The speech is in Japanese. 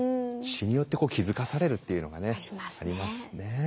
詩によって気付かされるっていうのがねありますしね。